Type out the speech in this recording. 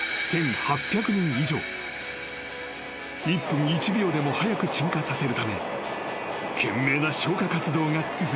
［１分１秒でも早く鎮火させるため懸命な消火活動が続いた］